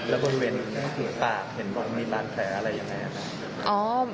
แล้วบริเวณปากเห็นมองมีบัตรแผลอะไรอย่างไรครับ